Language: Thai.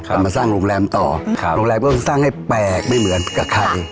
มาสร้างโรงแรมต่อครับโรงแรมก็จะสร้างให้แปลกไม่เหมือนกับใคร